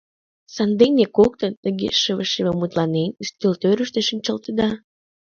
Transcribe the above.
— Сандене коктын, тыге шыве-шыве мутланен, ӱстелтӧрыштӧ шинчылтыда?!